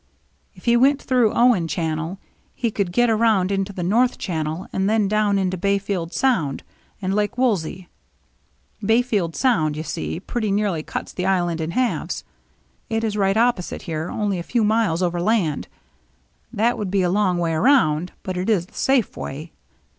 If he went through Owen Channel, he could get around into the North Channel, and then down into Bayfield Sound and Lake Wolsey. Bayfield Sound, you see, pretty nearly cuts the island in halves. It is right op posite here, only a few miles overland. That would be a long way around, but it is the safe way.